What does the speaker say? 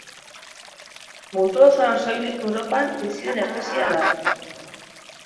Mundu osoan soilik Europan bizi den espeziea da.